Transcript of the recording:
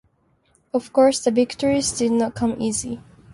Of course, the victories did not come easy.